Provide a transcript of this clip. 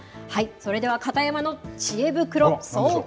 それでは片山のちえ袋、総括